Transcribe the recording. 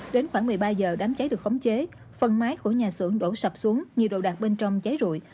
đến khoảng một mươi ba h đám cháy được khống chế phần máy của nhà xưởng đổ sập xuống nhiều đồ đạc bên trong cháy rụi